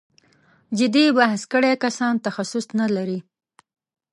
جدي بحث کړی کسان تخصص نه لري.